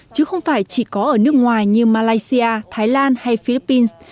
chứ không phải chỉ có ở nước ngoài như malaysia thái lan hay philippines